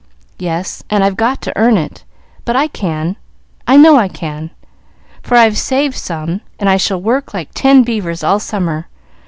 "Yes; and I've got to earn it. But I can I know I can, for I've saved some, and I shall work like ten beavers all summer.